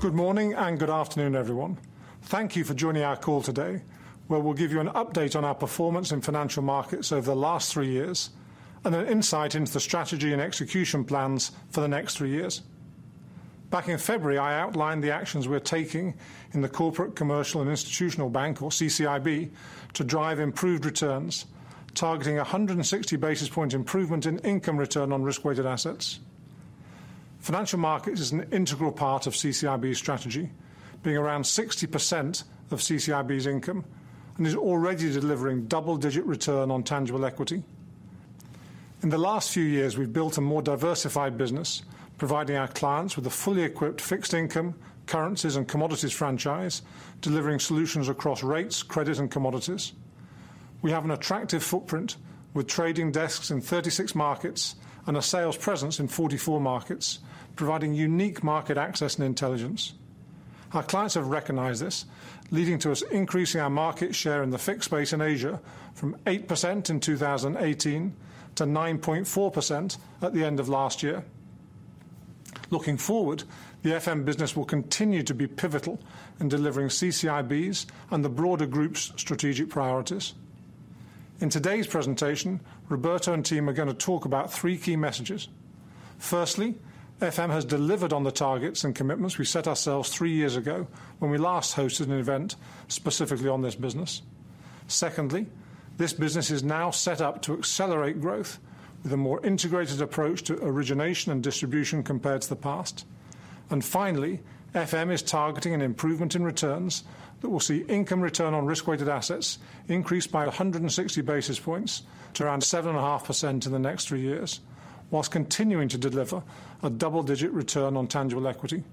Good morning and good afternoon, everyone. Thank you for joining our call today, where we'll give you an update on our performance in financial markets over the last three years, and an insight into the strategy and execution plans for the next three years. Back in February, I outlined the actions we're taking in the corporate, commercial, and institutional bank, or CCIB, to drive improved returns, targeting a 160 basis point improvement in income return on risk-weighted assets. Financial markets is an integral part of CCIB's strategy, being around 60% of CCIB's income and is already delivering double-digit return on tangible equity. In the last few years, we've built a more diversified business, providing our clients with a fully equipped fixed income, currencies, and commodities franchise, delivering solutions across rates, credit, and commodities. We have an attractive footprint with trading desks in 36 markets and a sales presence in 44 markets, providing unique market access and intelligence. Our clients have recognized this, leading to us increasing our market share in the FX base in Asia from 8% in 2018 to 9.4% at the end of last year. Looking forward, the FM business will continue to be pivotal in delivering CCIB's and the broader group's strategic priorities. In today's presentation, Roberto and team are going to talk about three key messages. Firstly, FM has delivered on the targets and commitments we set ourselves three years ago when we last hosted an event specifically on this business. Secondly, this business is now set up to accelerate growth with a more integrated approach to origination and distribution compared to the past. Finally, FM is targeting an improvement in returns that will see income return on risk-weighted assets increase by 160 basis points to around 7.5% in the next three years, while continuing to deliver a double-digit return on tangible equity.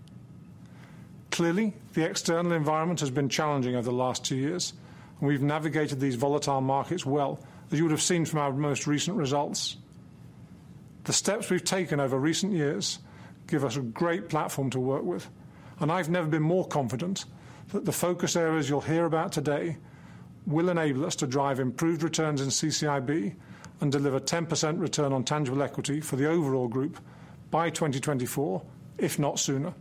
Clearly, the external environment has been challenging over the last two years, and we've navigated these volatile markets well, as you would have seen from our most recent results. The steps we've taken over recent years give us a great platform to work with, and I've never been more confident that the focus areas you'll hear about today will enable us to drive improved returns in CCIB and deliver 10% return on tangible equity for the overall group by 2024, if not sooner.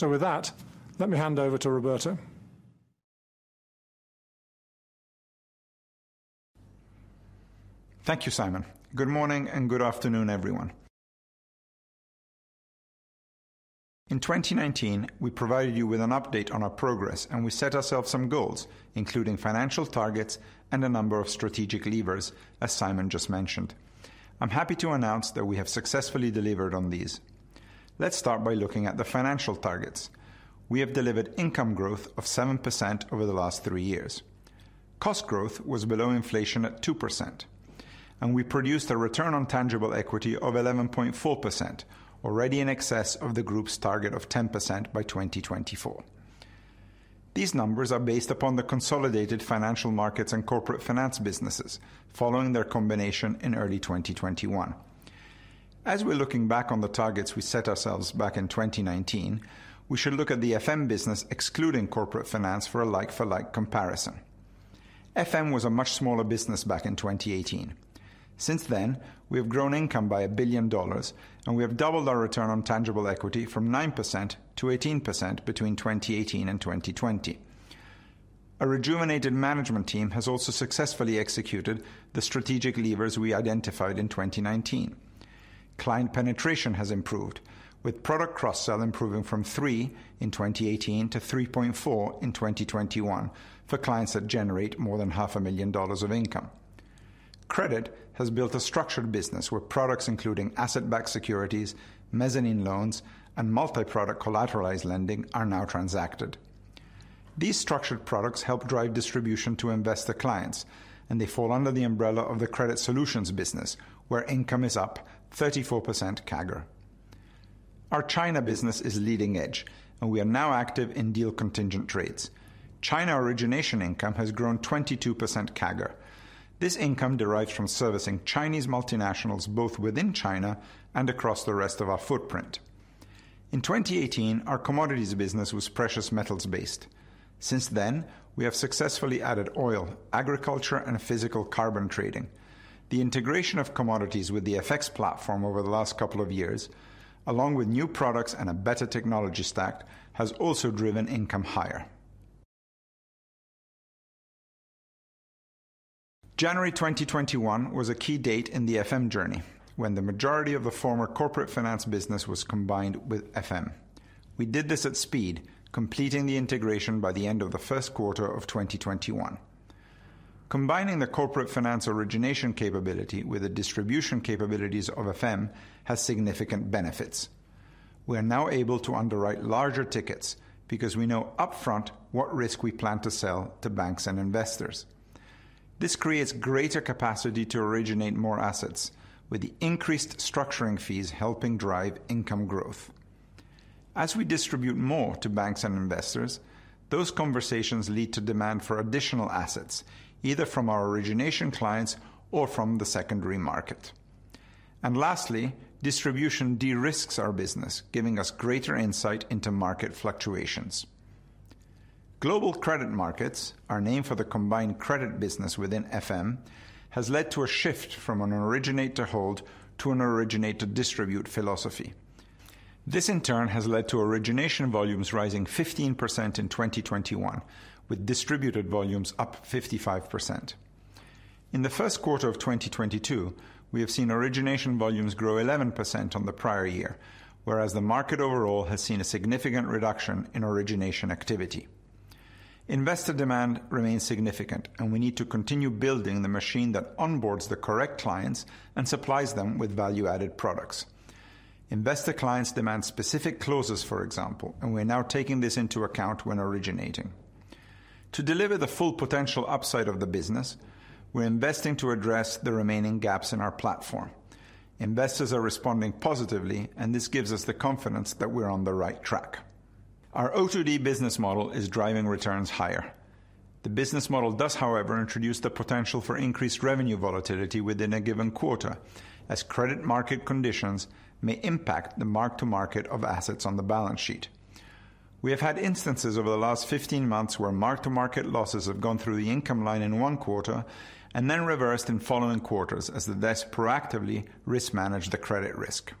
With that, let me hand over to Roberto. Thank you, Simon. Good morning and good afternoon, everyone. In 2019, we provided you with an update on our progress, and we set ourselves some goals, including financial targets and a number of strategic levers, as Simon just mentioned. I'm happy to announce that we have successfully delivered on these. Let's start by looking at the financial targets. We have delivered income growth of 7% over the last 3 years. Cost growth was below inflation at 2%, and we produced a return on tangible equity of 11.4%, already in excess of the group's target of 10% by 2024. These numbers are based upon the consolidated financial markets and corporate finance businesses following their combination in early 2021. As we're looking back on the targets we set ourselves back in 2019, we should look at the FM business excluding corporate finance for a like-for-like comparison. FM was a much smaller business back in 2018. Since then, we have grown income by $1 billion, and we have doubled our return on tangible equity from 9% to 18% between 2018 and 2020. A rejuvenated management team has also successfully executed the strategic levers we identified in 2019. Client penetration has improved with product cross-sell improving from 3 in 2018 to 3.4 in 2021 for clients that generate more than $ 500,000 of income. Credit has built a structured business where products including asset-backed securities, mezzanine loans, and multi-product collateralized lending are now transacted. These structured products help drive distribution to investor clients, and they fall under the umbrella of the Credit Solutions business, where income is up 34% CAGR. Our China business is leading edge, and we are now active in deal contingent trades. China origination income has grown 22% CAGR. This income derives from servicing Chinese multinationals both within China and across the rest of our footprint. In 2018, our commodities business was precious metals based. Since then, we have successfully added oil, agriculture, and physical carbon trading. The integration of commodities with the FX platform over the last couple of years, along with new products and a better technology stack, has also driven income higher. January 2021 was a key date in the FM journey when the majority of the former corporate finance business was combined with FM. We did this at speed, completing the integration by the end of the first quarter of 2021. Combining the corporate finance origination capability with the distribution capabilities of FM has significant benefits. We are now able to underwrite larger tickets because we know upfront what risk we plan to sell to banks and investors. This creates greater capacity to originate more assets with the increased structuring fees helping drive income growth. As we distribute more to banks and investors, those conversations lead to demand for additional assets, either from our origination clients or from the secondary market. Lastly, distribution de-risks our business, giving us greater insight into market fluctuations. The Global Credit Markets business, named for the combined credit business within FM, has led to a shift from an originate-to-hold to an originate-to-distribute philosophy. This, in turn, has led to origination volumes rising 15% in 2021, with distributed volumes up 55%. In the first quarter of 2022, we have seen origination volumes grow 11% on the prior year, whereas the market overall has seen a significant reduction in origination activity. Investor demand remains significant, and we need to continue building the machine that onboards the correct clients and supplies them with value-added products. Investor clients demand specific clauses, for example, and we are now taking this into account when originating. To deliver the full potential upside of the business, we're investing to address the remaining gaps in our platform. Investors are responding positively, and this gives us the confidence that we're on the right track. Our O2D business model is driving returns higher. The business model does, however, introduce the potential for increased revenue volatility within a given quarter as credit market conditions may impact the mark-to-market of assets on the balance sheet. We have had instances over the last 15 months where mark-to-market losses have gone through the income line in one quarter and then reversed in following quarters as the desk proactively risk-manage the credit risk.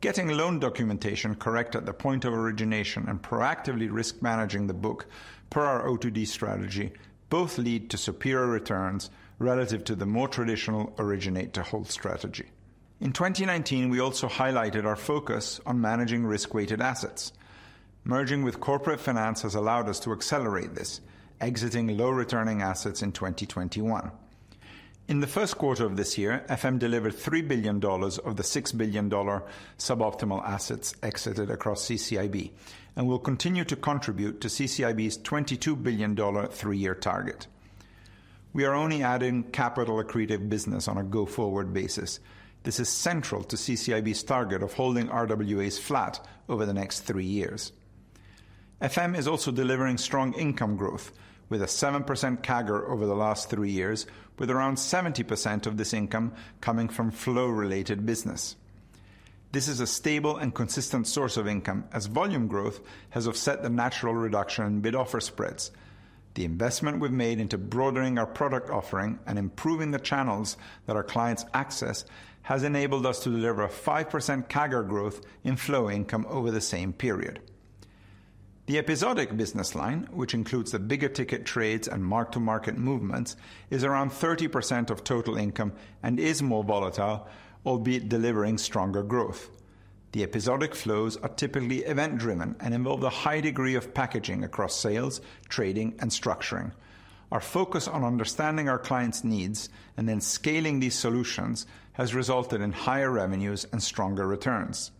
Getting loan documentation correct at the point of origination and proactively risk-managing the book per our O2D strategy both lead to superior returns relative to the more traditional originate-to-hold strategy. In 2019, we also highlighted our focus on managing risk-weighted assets. Merging with corporate finance has allowed us to accelerate this, exiting low returning assets in 2021. In the first quarter of this year, FM delivered $3 billion of the $6 billion suboptimal assets exited across CCIB and will continue to contribute to CCIB's $22 billion 3-year target. We are only adding capital accretive business on a go-forward basis. This is central to CCIB's target of holding RWAs flat over the next 3 years. FM is also delivering strong income growth with a 7% CAGR over the last three years, with around 70% of this income coming from flow-related business. This is a stable and consistent source of income as volume growth has offset the natural reduction in bid-offer spreads. The investment we've made into broadening our product offering and improving the channels that our clients access has enabled us to deliver a 5% CAGR growth in flow income over the same period. The episodic business line, which includes the bigger ticket trades and mark-to-market movements, is around 30% of total income and is more volatile, albeit delivering stronger growth. The episodic flows are typically event-driven and involve a high degree of packaging across sales, trading, and structuring. Our focus on understanding our clients' needs and then scaling these solutions has resulted in higher revenues and stronger returns.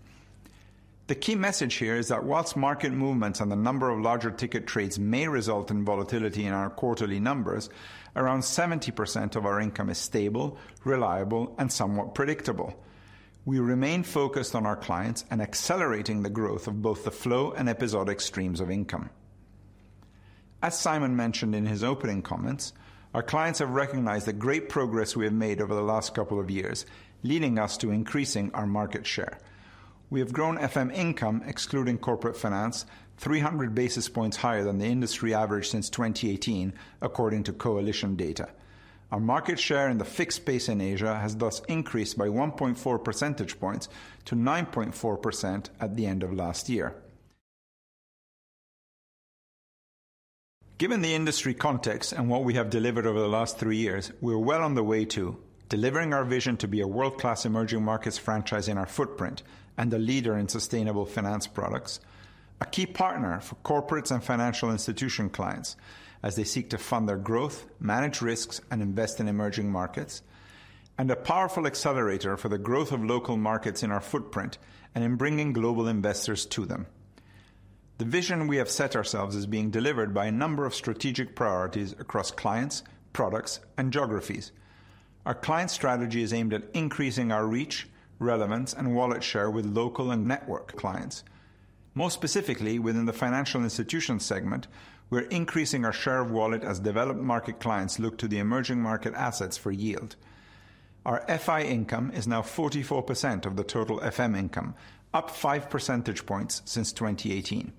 The key message here is that while market movements and the number of larger ticket trades may result in volatility in our quarterly numbers, around 70% of our income is stable, reliable, and somewhat predictable. We remain focused on our clients and accelerating the growth of both the flow and episodic streams of income. As Simon mentioned in his opening comments, our clients have recognized the great progress we have made over the last couple of years, leading us to increasing our market share. We have grown FM income, excluding corporate finance, 300 basis points higher than the industry average since 2018 according to Coalition Greenwich data. Our market share in the FX space in Asia has thus increased by 1.4 percentage points to 9.4% at the end of last year. Given the industry context and what we have delivered over the last 3 years, we are well on the way to delivering our vision to be a world-class emerging markets franchise in our footprint and a leader in sustainable finance products, a key partner for corporates and financial institution clients as they seek to fund their growth, manage risks, and invest in emerging markets, and a powerful accelerator for the growth of local markets in our footprint and in bringing global investors to them. The vision we have set ourselves is being delivered by a number of strategic priorities across clients, products, and geographies. Our client strategy is aimed at increasing our reach, relevance, and wallet share with local and network clients. More specifically, within the financial institutions segment, we're increasing our share of wallet as developed market clients look to the emerging market assets for yield. Our FI income is now 44% of the total FM income, up 5 percentage points since 2018.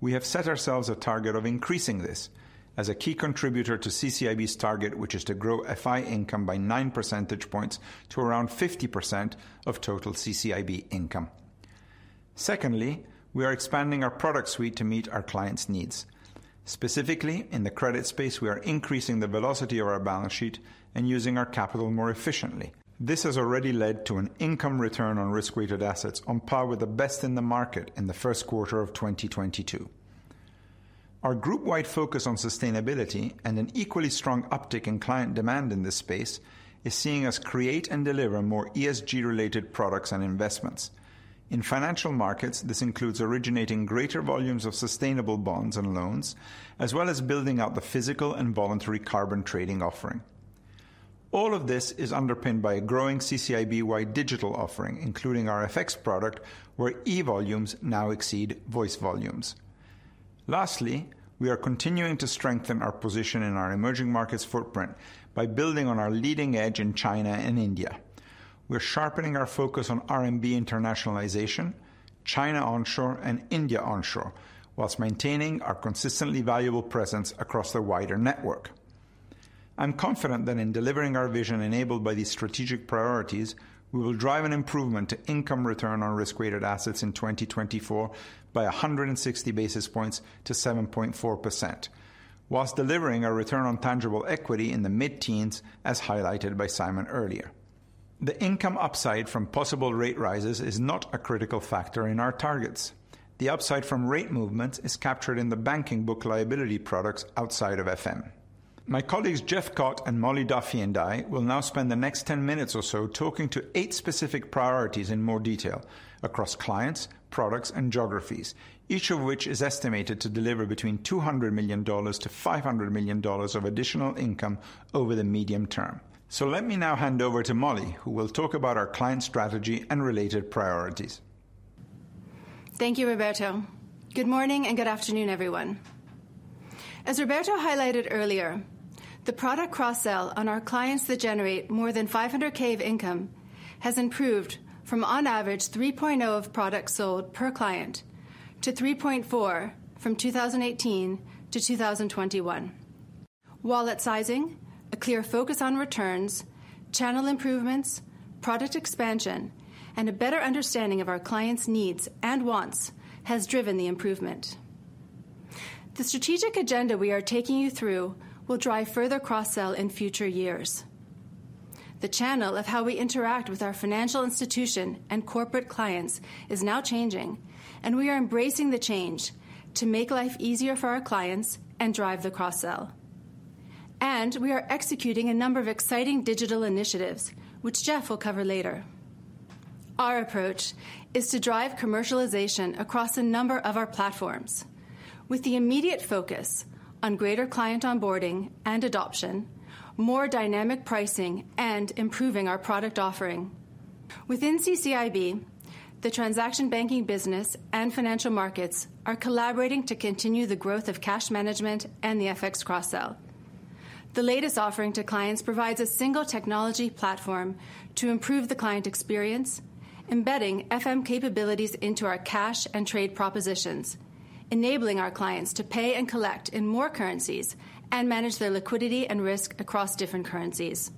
We have set ourselves a target of increasing this as a key contributor to CCIB's target, which is to grow FI income by 9 percentage points to around 50% of total CCIB income. Secondly, we are expanding our product suite to meet our clients' needs. Specifically, in the credit space, we are increasing the velocity of our balance sheet and using our capital more efficiently. This has already led to an income return on risk-weighted assets on par with the best in the market in the first quarter of 2022. Our group-wide focus on sustainability and an equally strong uptick in client demand in this space is seeing us create and deliver more ESG-related products and investments. In financial markets, this includes originating greater volumes of sustainable bonds and loans, as well as building out the physical and voluntary carbon trading offering. All of this is underpinned by a growing CCIB-wide digital offering, including our FX product, where e-volumes now exceed voice volumes. Lastly, we are continuing to strengthen our position in our emerging markets footprint by building on our leading edge in China and India. We're sharpening our focus on RMB internationalization, China onshore, and India onshore, whilst maintaining our consistently valuable presence across the wider network. I'm confident that in delivering our vision enabled by these strategic priorities, we will drive an improvement to income return on risk-weighted assets in 2024 by 160 basis points to 7.4%, whilst delivering a return on tangible equity in the mid-teens, as highlighted by Simon earlier. The income upside from possible rate rises is not a critical factor in our targets. The upside from rate movements is captured in the banking book liability products outside of FM. My colleagues, Geoff Kot and Molly Duffy, and I will now spend the next 10 minutes or so talking to 8 specific priorities in more detail across clients, products, and geographies, each of which is estimated to deliver between $200 million-$500 million of additional income over the medium term. Let me now hand over to Molly, who will talk about our client strategy and related priorities. Thank you, Roberto. Good morning and good afternoon, everyone. As Roberto highlighted earlier, the product cross-sell on our clients that generate more than $500K of income has improved from on average 3.0 products sold per client to 3.4 from 2018 to 2021. Wallet sizing, a clear focus on returns, channel improvements, product expansion, and a better understanding of our clients' needs and wants has driven the improvement. The strategic agenda we are taking you through will drive further cross-sell in future years. The channel of how we interact with our financial institution and corporate clients is now changing, and we are embracing the change to make life easier for our clients and drive the cross-sell. We are executing a number of exciting digital initiatives, which Geoff will cover later. Our approach is to drive commercialization across a number of our platforms, with the immediate focus on greater client onboarding and adoption, more dynamic pricing, and improving our product offering. Within CCIB, the transaction banking business and financial markets are collaborating to continue the growth of cash management and the FX cross-sell. The latest offering to clients provides a single technology platform to improve the client experience, embedding FM capabilities into our cash and trade propositions, enabling our clients to pay and collect in more currencies and manage their liquidity and risk across different currencies.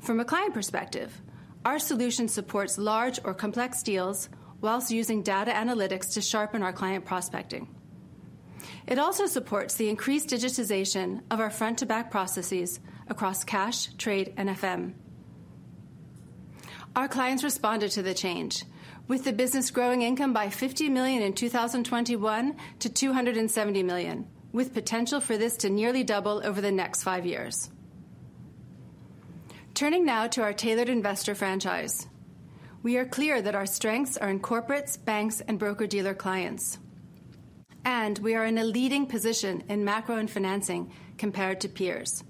From a client perspective, our solution supports large or complex deals while using data analytics to sharpen our client prospecting. It also supports the increased digitization of our front-to-back processes across cash, trade, and FM. Our clients responded to the change, with the business growing income by $50 million in 2021 to $270 million, with potential for this to nearly double over the next 5 years. Turning now to our tailored investor franchise. We are clear that our strengths are in corporates, banks, and broker-dealer clients, and we are in a leading position in macro and financing compared to peers.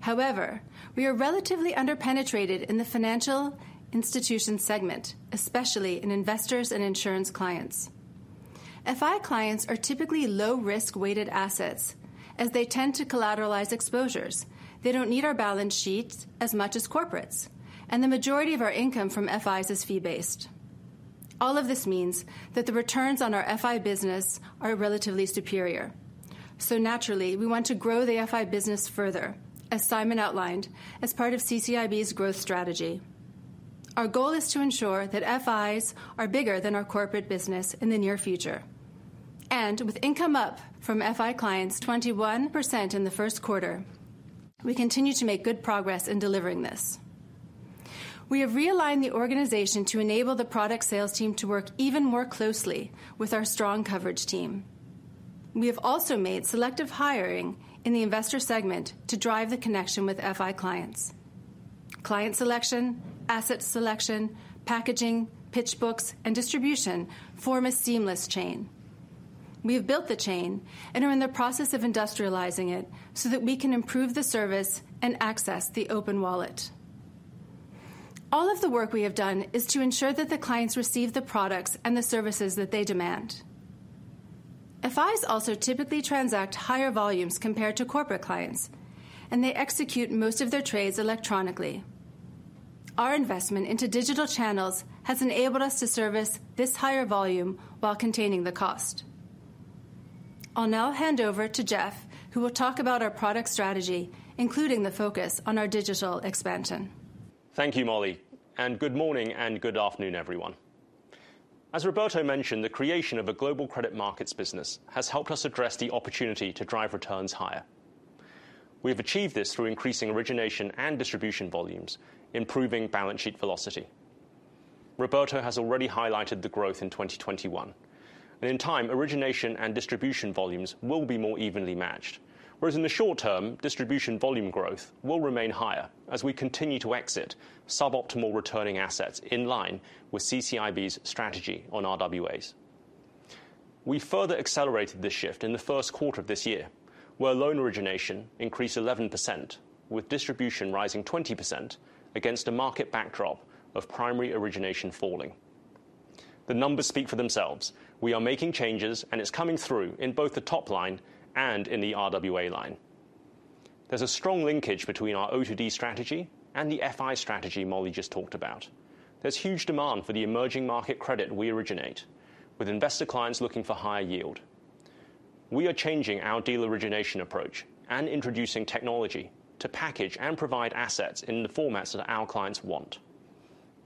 However, we are relatively under-penetrated in the financial institution segment, especially in investors and insurance clients. FI clients are typically low risk-weighted assets, as they tend to collateralize exposures. They don't need our balance sheets as much as corporates, and the majority of our income from FIs is fee-based. All of this means that the returns on our FI business are relatively superior. Naturally, we want to grow the FI business further, as Simon outlined, as part of CCIB's growth strategy. Our goal is to ensure that FIs are bigger than our corporate business in the near future. With income up from FI clients 21% in the first quarter, we continue to make good progress in delivering this. We have realigned the organization to enable the product sales team to work even more closely with our strong coverage team. We have also made selective hiring in the investor segment to drive the connection with FI clients. Client selection, asset selection, packaging, pitch books, and distribution form a seamless chain. We have built the chain and are in the process of industrializing it so that we can improve the service and access the open wallet. All of the work we have done is to ensure that the clients receive the products and the services that they demand. FIs also typically transact higher volumes compared to corporate clients, and they execute most of their trades electronically. Our investment into digital channels has enabled us to service this higher volume while containing the cost. I'll now hand over to Geoff, who will talk about our product strategy, including the focus on our digital expansion. Thank you, Molly. Good morning and good afternoon, everyone. As Roberto mentioned, the creation of a global credit markets business has helped us address the opportunity to drive returns higher. We have achieved this through increasing origination and distribution volumes, improving balance sheet velocity. Roberto has already highlighted the growth in 2021. In time, origination and distribution volumes will be more evenly matched. Whereas in the short term, distribution volume growth will remain higher as we continue to exit sub-optimal returning assets in line with CCIB's strategy on RWAs. We further accelerated this shift in the first quarter of this year, where loan origination increased 11%, with distribution rising 20% against a market backdrop of primary origination falling. The numbers speak for themselves. We are making changes, and it's coming through in both the top line and in the RWA line. There's a strong linkage between our O2D strategy and the FI strategy Molly just talked about. There's huge demand for the emerging market credit we originate, with investor clients looking for higher yield. We are changing our deal origination approach and introducing technology to package and provide assets in the formats that our clients want.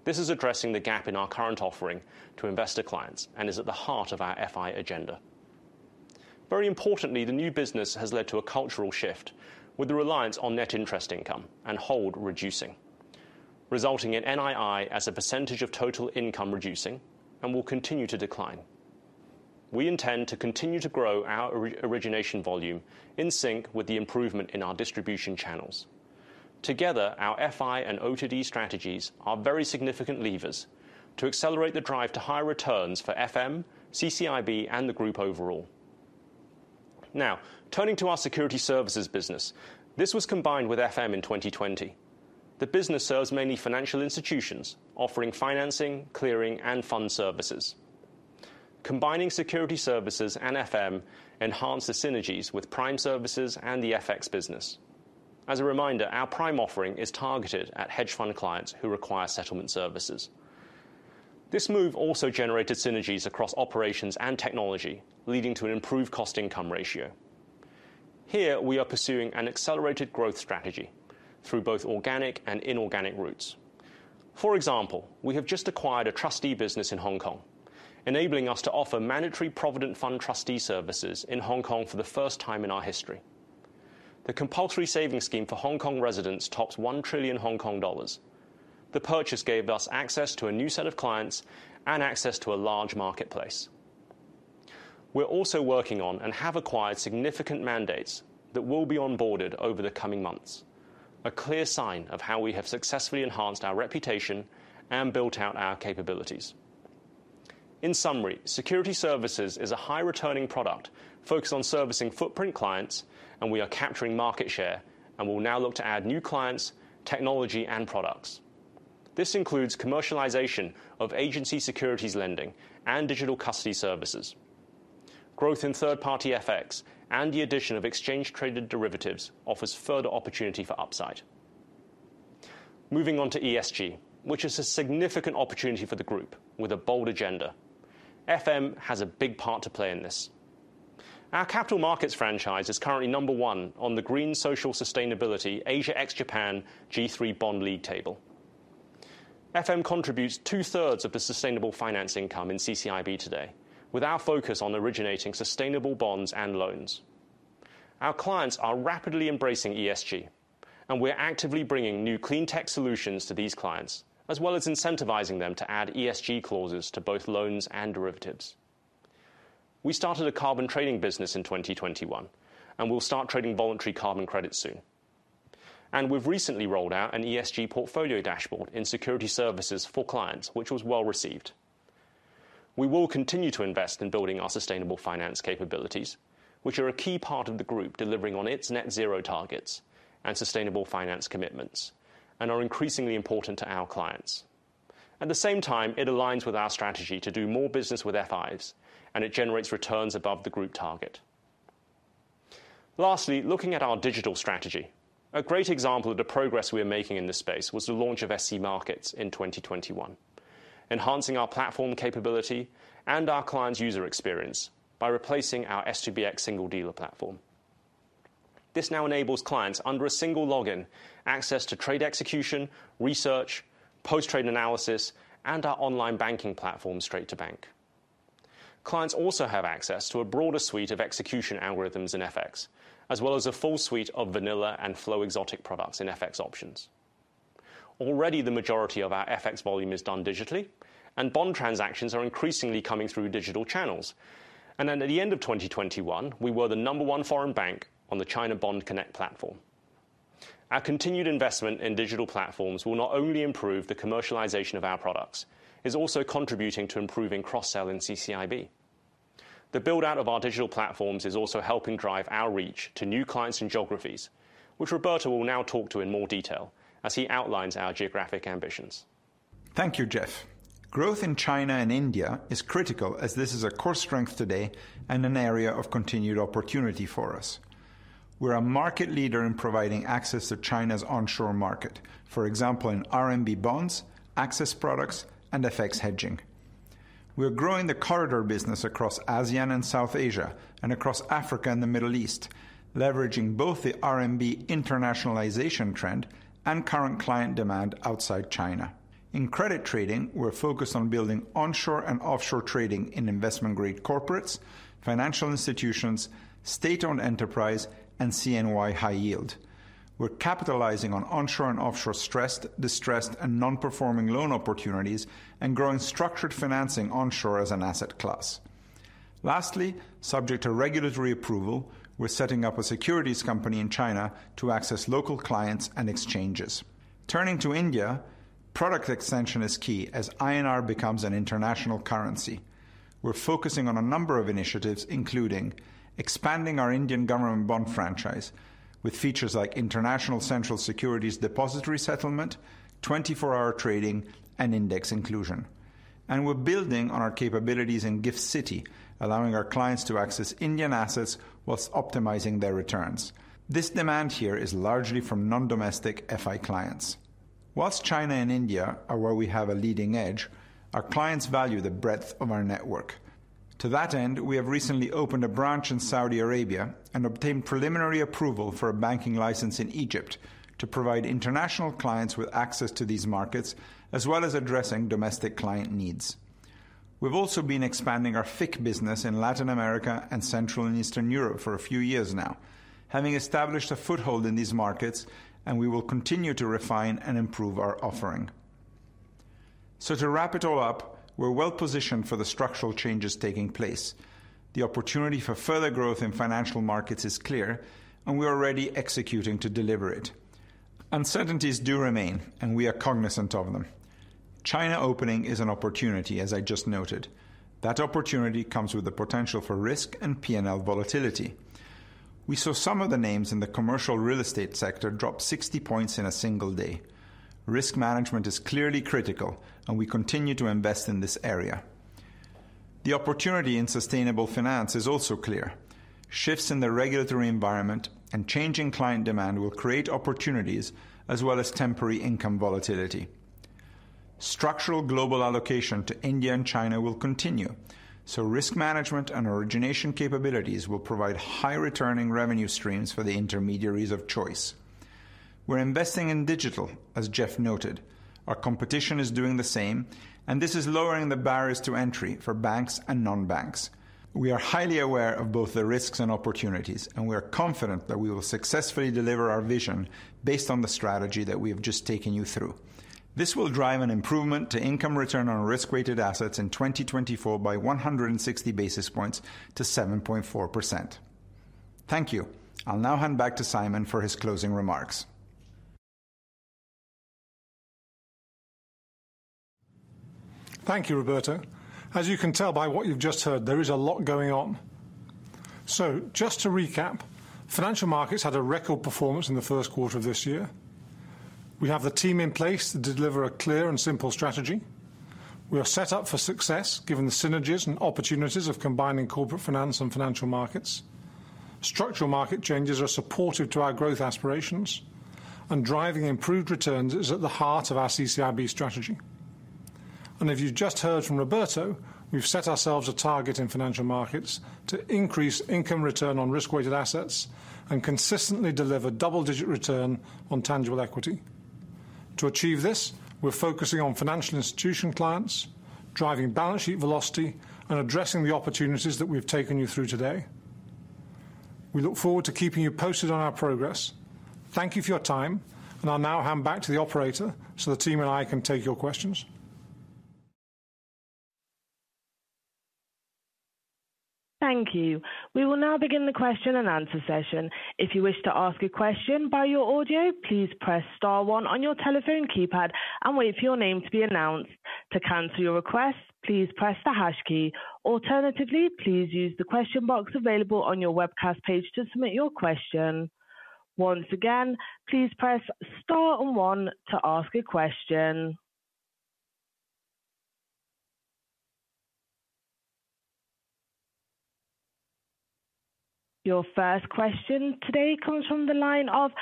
This is addressing the gap in our current offering to investor clients and is at the heart of our FI agenda. Very importantly, the new business has led to a cultural shift with the reliance on net interest income and hold reducing, resulting in NII as a percentage of total income reducing and will continue to decline. We intend to continue to grow our origination volume in sync with the improvement in our distribution channels. Together, our FI and O2D strategies are very significant levers to accelerate the drive to higher returns for FM, CCIB, and the group overall. Now, turning to our security services business. This was combined with FM in 2020. The business serves mainly financial institutions offering financing, clearing, and fund services. Combining security services and FM enhance the synergies with prime services and the FX business. As a reminder, our prime offering is targeted at hedge fund clients who require settlement services. This move also generated synergies across operations and technology, leading to an improved cost income ratio. Here, we are pursuing an accelerated growth strategy through both organic and inorganic routes. For example, we have just acquired a trustee business in Hong Kong, enabling us to offer Mandatory Provident Fund trustee services in Hong Kong for the first time in our history. The compulsory savings scheme for Hong Kong residents tops 1 trillion Hong Kong dollars. The purchase gave us access to a new set of clients and access to a large marketplace. We're also working on and have acquired significant mandates that will be onboarded over the coming months, a clear sign of how we have successfully enhanced our reputation and built out our capabilities. In summary, security services is a high returning product focused on servicing footprint clients and we are capturing market share and will now look to add new clients, technology, and products. This includes commercialization of agency securities lending and digital custody services. Growth in third party FX and the addition of exchange traded derivatives offers further opportunity for upside. Moving on to ESG, which is a significant opportunity for the group with a bold agenda. FM has a big part to play in this. Our capital markets franchise is currently number one on the green, social and sustainability Asia ex-Japan G3 bond league table. FM contributes two-thirds of the sustainable finance income in CCIB today, with our focus on originating sustainable bonds and loans. Our clients are rapidly embracing ESG, and we're actively bringing new clean tech solutions to these clients, as well as incentivizing them to add ESG clauses to both loans and derivatives. We started a carbon trading business in 2021, and we'll start trading voluntary carbon credits soon. We've recently rolled out an ESG portfolio dashboard in security services for clients, which was well-received. We will continue to invest in building our sustainable finance capabilities, which are a key part of the group delivering on its net zero targets and sustainable finance commitments, and are increasingly important to our clients. At the same time, it aligns with our strategy to do more business with FIs, and it generates returns above the group target. Lastly, looking at our digital strategy. A great example of the progress we are making in this space was the launch of SC Markets in 2021, enhancing our platform capability and our clients' user experience by replacing our S2BX single dealer platform. This now enables clients, under a single login, access to trade execution, research, post-trade analysis, and our online banking platform Straight2Bank. Clients also have access to a broader suite of execution algorithms in FX, as well as a full suite of vanilla and flow exotic products in FX options. Already, the majority of our FX volume is done digitally and bond transactions are increasingly coming through digital channels. At the end of 2021, we were the number one foreign bank on the China Bond Connect platform. Our continued investment in digital platforms will not only improve the commercialization of our products, it's also contributing to improving cross-sell in CCIB. The build-out of our digital platforms is also helping drive our reach to new clients and geographies, which Roberto will now talk to in more detail as he outlines our geographic ambitions. Thank you, Geoff. Growth in China and India is critical as this is a core strength today and an area of continued opportunity for us. We're a market leader in providing access to China's onshore market, for example, in RMB bonds, access products, and FX hedging. We are growing the corridor business across ASEAN and South Asia and across Africa and the Middle East, leveraging both the RMB internationalization trend and current client demand outside China. In credit trading, we're focused on building onshore and offshore trading in investment-grade corporates, financial institutions, state-owned enterprise, and CNY high yield. We're capitalizing on onshore and offshore stressed, distressed, and non-performing loan opportunities and growing structured financing onshore as an asset class. Lastly, subject to regulatory approval, we're setting up a securities company in China to access local clients and exchanges. Turning to India, product extension is key as INR becomes an international currency. We're focusing on a number of initiatives, including expanding our Indian government bond franchise with features like International Central Securities Depository settlement, 24-hour trading and index inclusion. We're building on our capabilities in GIFT City, allowing our clients to access Indian assets while optimizing their returns. This demand here is largely from non-domestic FI clients. While China and India are where we have a leading edge, our clients value the breadth of our network. To that end, we have recently opened a branch in Saudi Arabia and obtained preliminary approval for a banking license in Egypt to provide inter national clients with access to these markets, as well as addressing domestic client needs. We've also been expanding our FIC business in Latin America and Central and Eastern Europe for a few years now, having established a foothold in these markets, and we will continue to refine and improve our offering. To wrap it all up, we're well positioned for the structural changes taking place. The opportunity for further growth in financial markets is clear, and we are already executing to deliver it. Uncertainties do remain, and we are cognizant of them. China opening is an opportunity, as I just noted. That opportunity comes with the potential for risk and PNL volatility. We saw some of the names in the commercial real estate sector drop 60 points in a single day. Risk management is clearly critical, and we continue to invest in this area. The opportunity in sustainable finance is also clear. Shifts in the regulatory environment and changing client demand will create opportunities as well as temporary income volatility. Structural global allocation to India and China will continue, so risk management and origination capabilities will provide high returning revenue streams for the intermediaries of choice. We're investing in digital, as Geoff noted. Our competition is doing the same, and this is lowering the barriers to entry for banks and non-banks. We are highly aware of both the risks and opportunities, and we are confident that we will successfully deliver our vision based on the strategy that we have just taken you through. This will drive an improvement to income return on risk-weighted assets in 2024 by 160 basis points to 7.4%. Thank you. I'll now hand back to Simon for his closing remarks. Thank you, Roberto. As you can tell by what you've just heard, there is a lot going on. Just to recap, financial markets had a record performance in the first quarter of this year. We have the team in place to deliver a clear and simple strategy. We are set up for success given the synergies and opportunities of combining corporate finance and financial markets. Structural market changes are supportive to our growth aspirations, and driving improved returns is at the heart of our CCIB strategy. As you've just heard from Roberto, we've set ourselves a target in financial markets to increase income return on risk-weighted assets and consistently deliver double-digit return on tangible equity. To achieve this, we're focusing on financial institution clients, driving balance sheet velocity, and addressing the opportunities that we've taken you through today. We look forward to keeping you posted on our progress. Thank you for your time, and I'll now hand back to the operator, so the team and I can take your questions. Thank you. We will now begin the question and answer session. If you wish to ask a question by your audio, please press star one on your telephone keypad and wait for your name to be announced. To cancel your request, please press the hash key. Alternatively, please use the question box available on your webcast page to submit your question. Once again, please press star and one to ask a question. Your first question today comes from the line of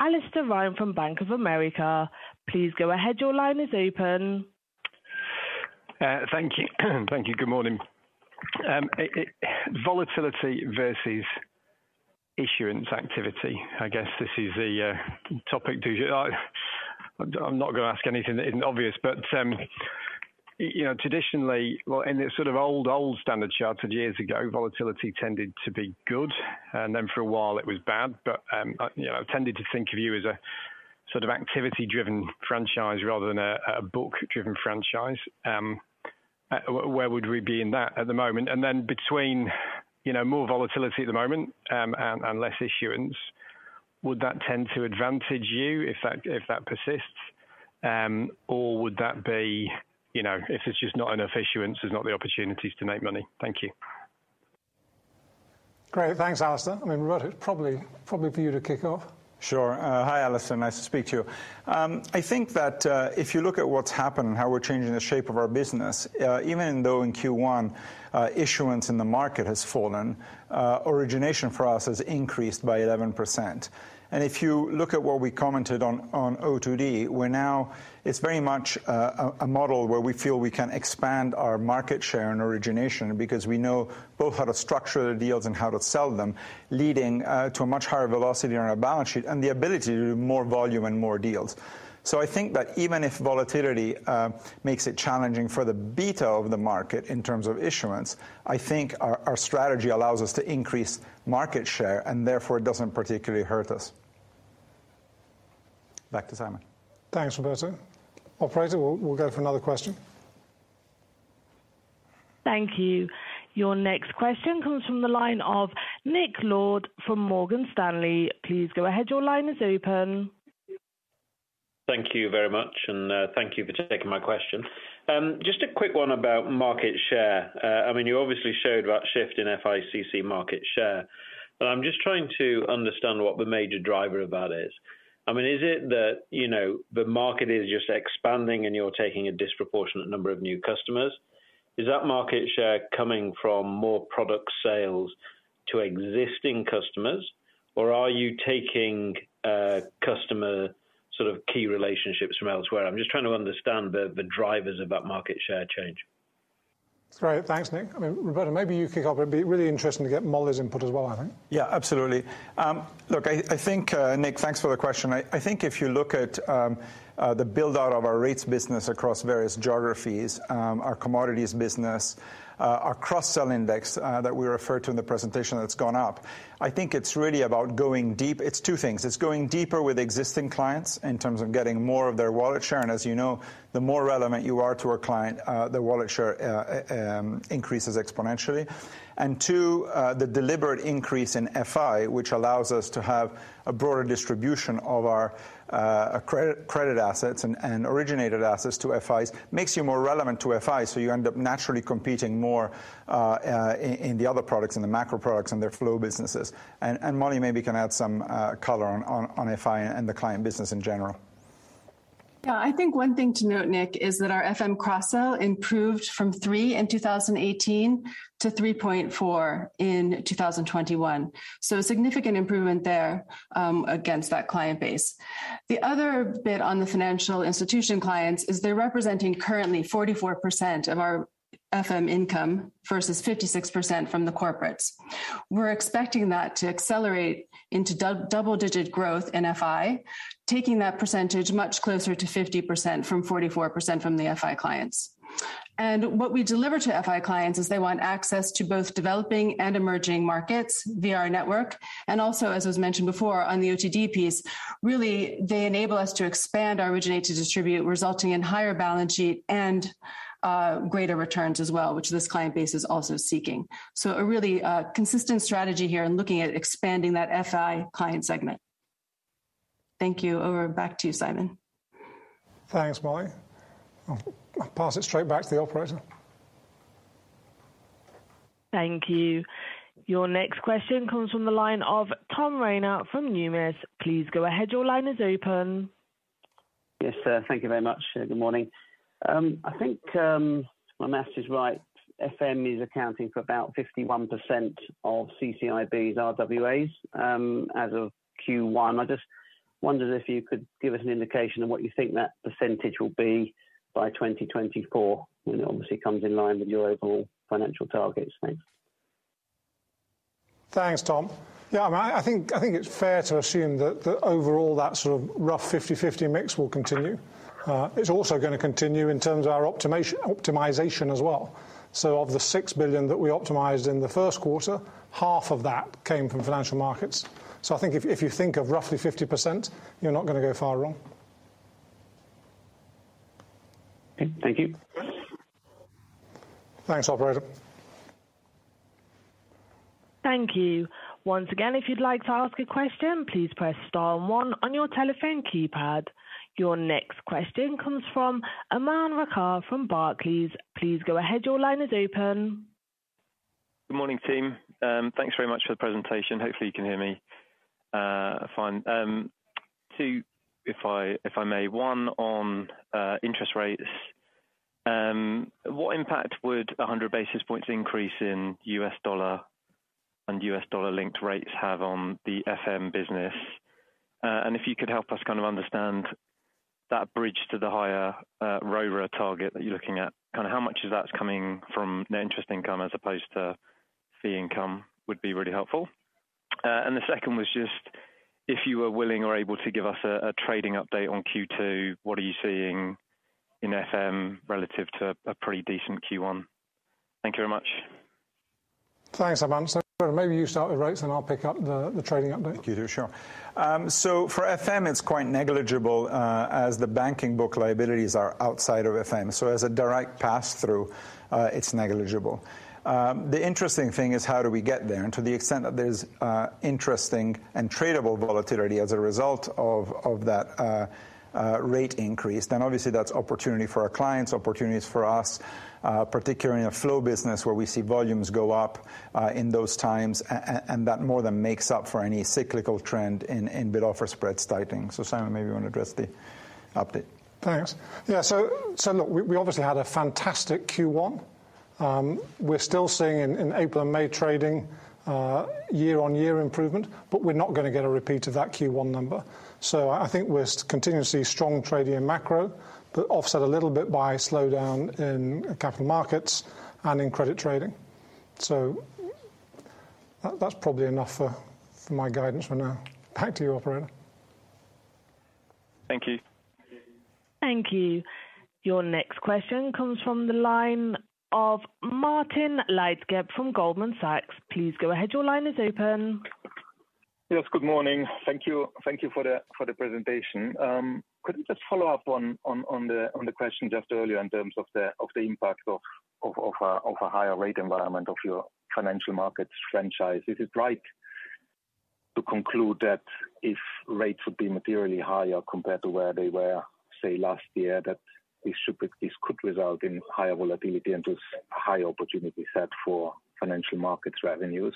Alastair Ryan from Bank of America. Please go ahead. Your line is open. Thank you. Good morning. Volatility versus issuance activity. I guess this is the topic. I'm not gonna ask anything that isn't obvious. You know, traditionally, well, in the sort of old Standard Chartered years ago, volatility tended to be good, and then for a while it was bad, but you know, tended to think of you as a sort of activity driven franchise rather than a book driven franchise. Where would we be in that at the moment? Between, you know, more volatility at the moment, and less issuance, would that tend to advantage you if that persists? Would that be, you know, if it's just not enough issuance, there's not the opportunities to make money? Thank you. Great. Thanks, Alastair. I mean, Roberto, probably for you to kick off. Sure. Hi, Alastair, nice to speak to you. I think that if you look at what's happened and how we're changing the shape of our business, even though in Q1 issuance in the market has fallen, origination for us has increased by 11%. If you look at what we commented on O2D, we're now. It's very much a model where we feel we can expand our market share and origination because we know both how to structure the deals and how to sell them, leading to a much higher velocity on our balance sheet and the ability to do more volume and more deals. I think that even if volatility makes it challenging for the beta of the market in terms of issuance, I think our strategy allows us to increase market share, and therefore it doesn't particularly hurt us. Back to Simon. Thanks, Roberto. Operator, we'll go for another question. Thank you. Your next question comes from the line of Nick Lord from Morgan Stanley. Please go ahead. Your line is open. Thank you very much, and thank you for taking my question. Just a quick one about market share. I mean, you obviously shared about shift in FICC market share, but I'm just trying to understand what the major driver of that is. I mean, is it that, you know, the market is just expanding, and you're taking a disproportionate number of new customers? Is that market share coming from more product sales to existing customers, or are you taking customer sort of key relationships from elsewhere? I'm just trying to understand the drivers about market share change. Great. Thanks, Nick. I mean, Roberto, maybe you kick off. It'd be really interesting to get Molly's input as well, I think. Yeah, absolutely. Look, I think, Nick, thanks for the question. I think if you look at the build-out of our rates business across various geographies, our commodities business, our cross-sell index that we referred to in the presentation that's gone up, I think it's really about going deep. It's two things. It's going deeper with existing clients in terms of getting more of their wallet share. As you know, the more relevant you are to a client, the wallet share increases exponentially. Two, the deliberate increase in FI, which allows us to have a broader distribution of our credit assets and originated assets to FIs, makes you more relevant to FI, so you end up naturally competing more in the other products, in the macro products and their flow businesses. Molly, maybe can add some color on FI and the client business in general. Yeah. I think one thing to note, Nick, is that our FM cross-sell improved from 3 in 2018 to 3.4 in 2021. A significant improvement there, against that client base. The other bit on the financial institution clients is they're representing currently 44% of our FM income versus 56% from the corporates. We're expecting that to accelerate into double-digit growth in FI, taking that percentage much closer to 50% from 44% from the FI clients. What we deliver to FI clients is they want access to both developing and emerging markets via our network, and also, as was mentioned before on the O2D piece, really, they enable us to expand, originate to distribute, resulting in higher balance sheet and greater returns as well, which this client base is also seeking. A really consistent strategy here in looking at expanding that FI client segment. Thank you. Back to you, Simon. Thanks, Molly. I'll pass it straight back to the operator. Thank you. Your next question comes from the line of Tom Rayner from Numis. Please go ahead. Your line is open. Yes, thank you very much. Good morning. I think my math is right, FM is accounting for about 51% of CCIB's RWAs, as of Q1. I just wondered if you could give us an indication of what you think that percentage will be by 2024, when it obviously comes in line with your overall financial targets. Thanks. Thanks, Tom. Yeah, I mean, I think it's fair to assume that the overall, that sort of rough 50/50 mix will continue. It's also gonna continue in terms of our optimization as well. Of the $6 billion that we optimized in the first quarter, half of that came from financial markets. I think if you think of roughly 50%, you're not gonna go far wrong. Okay. Thank you. Thanks, operator. Thank you. Once again, if you'd like to ask a question, please press star one on your telephone keypad. Your next question comes from Aman Rakkar from Barclays. Please go ahead. Your line is open. Good morning, team. Thanks very much for the presentation. Hopefully you can hear me fine. Two, if I may. One on interest rates. What impact would a 100 basis points increase in US dollar and US dollar-linked rates have on the FM business? And if you could help us kind of understand that bridge to the higher ROA target that you're looking at, kind of how much of that's coming from net interest income as opposed to fee income would be really helpful. The second was just if you were willing or able to give us a trading update on Q2, what are you seeing in FM relative to a pretty decent Q1? Thank you very much. Thanks, Aman. Maybe you start with rates, and I'll pick up the trading update. Thank you. Sure. For FM, it's quite negligible, as the banking book liabilities are outside of FM. As a direct pass-through, it's negligible. The interesting thing is how do we get there? To the extent that there's interesting and tradable volatility as a result of that rate increase, then obviously that's opportunity for our clients, opportunities for us, particularly in a flow business where we see volumes go up in those times. That more than makes up for any cyclical trend in bid-offer spreads tightening. Simon, maybe you want to address the update. Thanks. Yeah, so look, we obviously had a fantastic Q1. We're still seeing in April and May trading year-on-year improvement, but we're not gonna get a repeat of that Q1 number. I think we're continuously strong trading in macro, but offset a little bit by a slowdown in capital markets and in credit trading. That's probably enough for my guidance for now. Back to you, operator. Thank you. Thank you. Your next question comes from the line of Martin Leitgeb from Goldman Sachs. Please go ahead. Your s open. Yes. Good morning. Thank you for the presentation. Could you just follow up on the question just earlier in terms of the impact of a higher rate environment of your financial markets franchise? Is it right- To conclude that if rates would be materially higher compared to where they were, say, last year, that this could result in higher volatility and thus a higher opportunity set for financial markets revenues.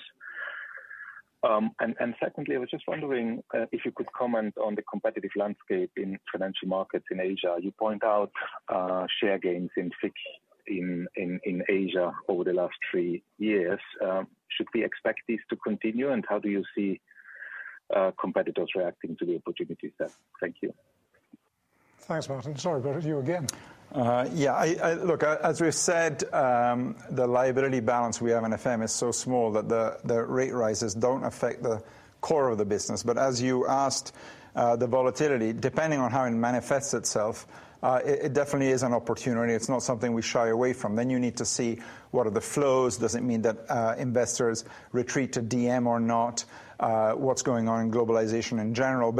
Secondly, I was just wondering if you could comment on the competitive landscape in financial markets in Asia. You point out share gains in FICC in Asia over the last 3 years. Should we expect this to continue, and how do you see competitors reacting to the opportunity set? Thank you. Thanks, Martin. Sorry, Roberto, to you again. Yeah, look, as we've said, the liability balance we have in FM is so small that the rate rises don't affect the core of the business. As you asked, the volatility, depending on how it manifests itself, definitely is an opportunity. It's not something we shy away from. You need to see what are the flows. Does it mean that investors retreat to DM or not? What's going on in globalization in general?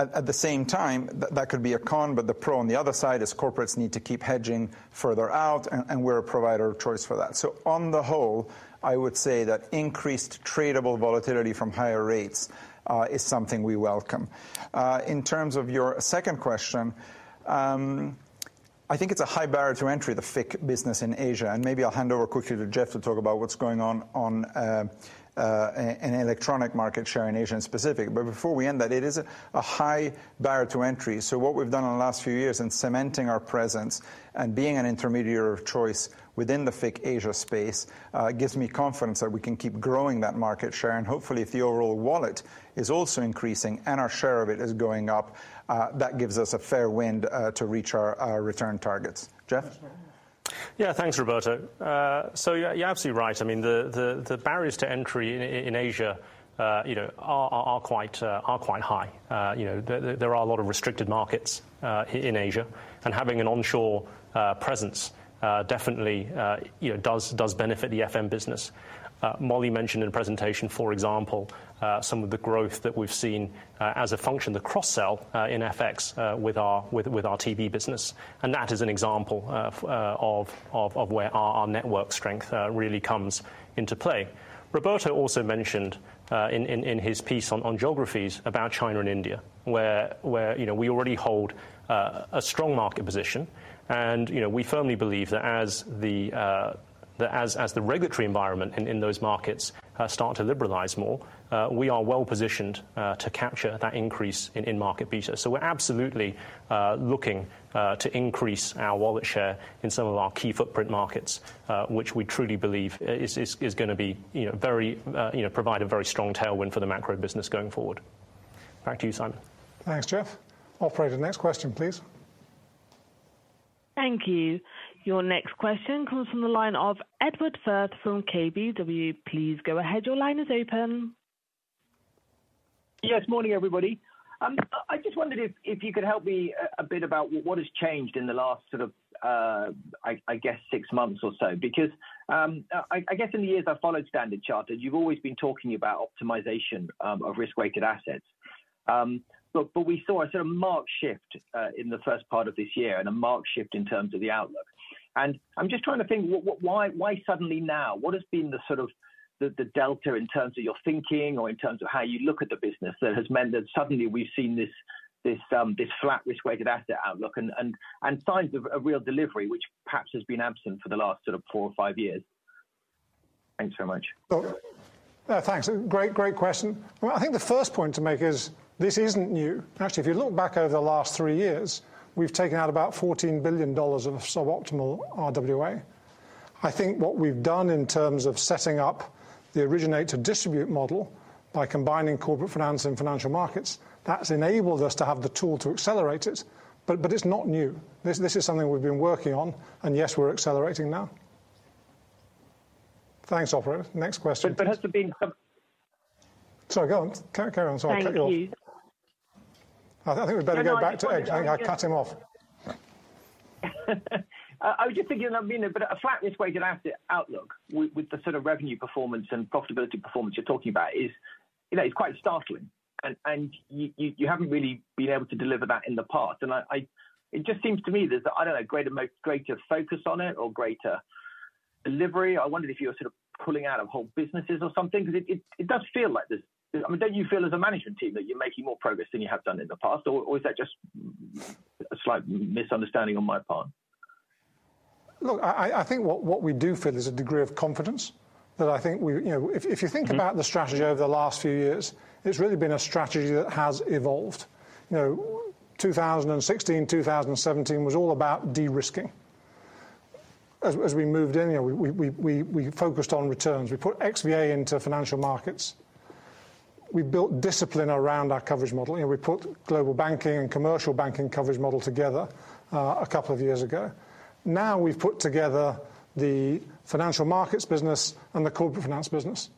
At the same time, that could be a con, but the pro on the other side is corporates need to keep hedging further out, and we're a provider of choice for that. On the whole, I would say that increased tradable volatility from higher rates is something we welcome. In terms of your second question, I think it's a high barrier to entry, the FICC business in Asia, and maybe I'll hand over quickly to Geoff to talk about what's going on in electronic market share in Asia specifically. Before we end that, it is a high barrier to entry. So what we've done in the last few years in cementing our presence and being an intermediary of choice within the FICC Asia space gives me confidence that we can keep growing that market share. Hopefully, if the overall wallet is also increasing and our share of it is going up, that gives us a fair wind to reach our return targets. Geoff? Sure. Yeah. Thanks, Roberto. So yeah, you're absolutely right. I mean, the barriers to entry in Asia, you know, are quite high. You know, there are a lot of restricted markets in Asia, and having an onshore presence definitely does benefit the FM business. Mollie mentioned in the presentation, for example, some of the growth that we've seen as a function of the cross-sell in FX with our TB business, and that is an example of where our network strength really comes into play. Roberto also mentioned in his piece on geographies about China and India, where we already hold a strong market position. You know, we firmly believe that as the regulatory environment in those markets start to liberalize more, we are well positioned to capture that increase in-market beta. We're absolutely looking to increase our wallet share in some of our key footprint markets, which we truly believe is gonna be, you know, very, you know, provide a very strong tailwind for the macro business going forward. Back to you, Simon. Thanks, Geoff. Operator, next question, please. Thank you. Your next question comes from the line of Edward Firth from KBW. Please go ahead. Your line is open. Yes, morning, everybody. I just wondered if you could help me a bit about what has changed in the last sort of, I guess 6 months or so. Because I guess in the years I've followed Standard Chartered, you've always been talking about optimization of risk-weighted assets. But we saw a sort of marked shift in the first part of this year and a marked shift in terms of the outlook. I'm just trying to think why suddenly now? What has been the sort of delta in terms of your thinking or in terms of how you look at the business that has meant that suddenly we've seen this flat risk-weighted asset outlook and signs of a real delivery which perhaps has been absent for the last sort of 4 or 5 years? Thanks so much. Thanks. Great question. Well, I think the first point to make is this isn't new. Actually, if you look back over the last three years, we've taken out about $14 billion of suboptimal RWA. I think what we've done in terms of setting up the originate-to-distribute model by combining Corporate Finance and Financial Markets, that's enabled us to have the tool to accelerate it. But it's not new. This is something we've been working on. Yes, we're accelerating now. Thanks, operator. Next question. Has there been. Sorry, go on. Carry on. Sorry, I cut you off. Thank you. I think we better go back to Ed. I cut him off. I was just thinking, I mean, a flat risk-weighted asset outlook with the sort of revenue performance and profitability performance you're talking about is, you know, quite startling. You haven't really been able to deliver that in the past. It just seems to me there's, I don't know, greater focus on it or greater delivery. I wondered if you were sort of pulling out of whole businesses or something. It does feel like this. I mean, don't you feel as a management team that you're making more progress than you have done in the past, or is that just a slight misunderstanding on my part? Look, I think what we do feel is a degree of confidence that I think we. You know, if you think about the strategy over the last few years, it's really been a strategy that has evolved. You know, 2016, 2017 was all about de-risking. As we moved in, you know, we focused on returns. We put XVA into financial markets. We built discipline around our coverage model. You know, we put global banking and commercial banking coverage model together, a couple of years ago. Now we've put together the financial markets business and the corporate finance business.